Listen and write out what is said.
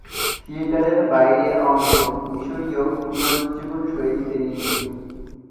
থিয়েটারের বাইরের অংশ মিশরীয় পুনরুজ্জীবন শৈলীতে নির্মিত।